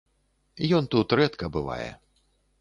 Ён тут рэдка бывае.